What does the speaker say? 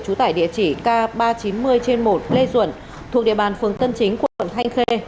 trú tại địa chỉ k ba trăm chín mươi trên một lê duẩn thuộc địa bàn phường tân chính quận thanh khê